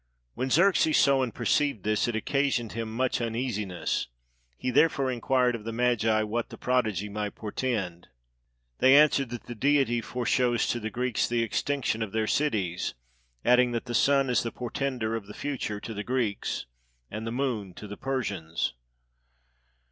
When Xerxes saw and perceived this, it occasioned him much uneasiness; he therefore inquired of the magi what the prodigy might portend. They answered that " the deity foreshows to the Greeks the extinction of their cities"; adding, " that the sun is the por tender of the future to the Greeks, and the moon to the Persians."